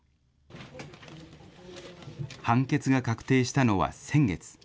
判決が確定したのは先月。